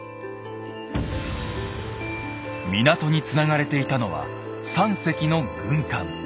港につながれていたのは３隻の軍艦。